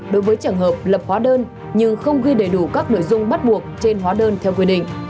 đối với trường hợp lập hóa đơn nhưng không ghi đầy đủ các nội dung bắt buộc trên hóa đơn theo quy định